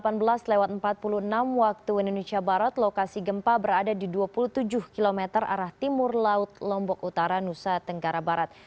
pada saat ini di dalam waktu indonesia barat lokasi gempa berada di dua puluh tujuh km arah timur laut lombok utara nusa tenggara barat